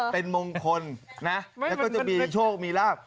เป็นมงคลนะแล้วก็จะมีโชคมีลาบ